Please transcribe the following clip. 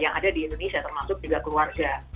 yang ada di indonesia termasuk juga keluarga